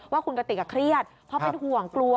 ว่าคุณกติกเครียดเพราะเป็นห่วงกลัว